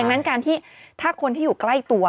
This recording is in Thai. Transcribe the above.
ดังนั้นการที่ถ้าคนที่อยู่ใกล้ตัว